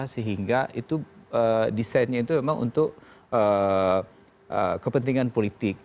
sehingga itu desainnya itu memang untuk kepentingan politik